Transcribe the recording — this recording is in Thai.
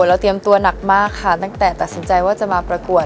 เราเตรียมตัวหนักมากค่ะตั้งแต่ตัดสินใจว่าจะมาประกวด